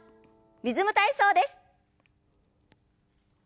「リズム体操」です。